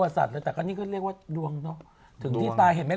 ศรตัวเองสิ